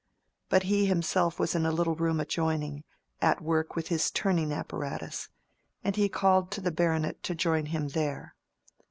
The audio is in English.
But he himself was in a little room adjoining, at work with his turning apparatus, and he called to the baronet to join him there.